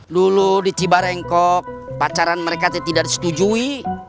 dulu di cibarengkok pacaran mereka tidak disetujui